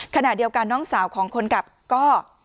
ขณะเดียวกันน้องสาวของคนขับก็